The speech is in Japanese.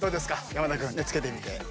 山田君着けてみて。